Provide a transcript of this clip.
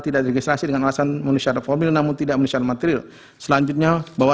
tidak registrasi dengan alasan menunjukan reformen namun tidak menunjukan material selanjutnya bahwa